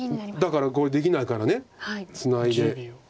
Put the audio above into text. だからこれできないからツナいで。